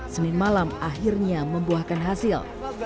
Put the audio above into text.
senin malam akhirnya membuahkan hasil